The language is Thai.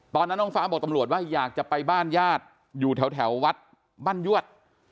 ตอนนั้นน้องฟ้าบอกตำรวจว่าอยากจะไปบ้านญาติอยู่แถววัดบ้านยวด